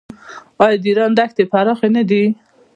آیا د ایران دښتې پراخې نه دي؟